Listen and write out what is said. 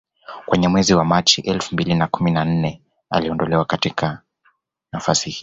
Kwenye mwezi wa Machi elfu mbili na kumi na nne aliondolewa katika nafasi hii